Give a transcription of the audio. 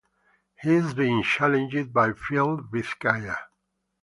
He is being challenged by Fiel Vizcaya.